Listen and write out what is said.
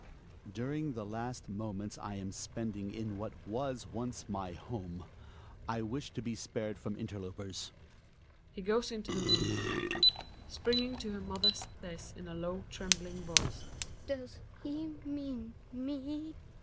During the last moments I am spending in what was once my home Ijvished to be spared from interlopers. He goes into the room. Hedvig (springing to her mother says in a low tremb ling voice). Does he mean me